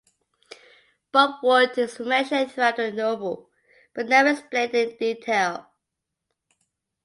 "Bob Wood" is mentioned throughout the novel, but never explained in detail.